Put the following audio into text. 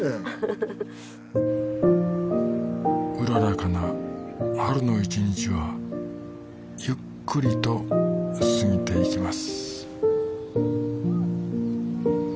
うららかな春の一日はゆっくりと過ぎていきます